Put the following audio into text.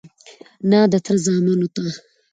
_نه، د تره زامنو ته..